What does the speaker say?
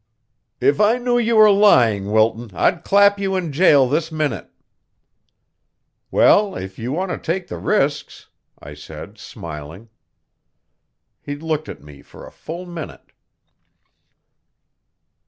"If I knew you were lying, Wilton, I'd clap you in jail this minute." "Well, if you want to take the risks " I said smiling. He looked at me for a full minute.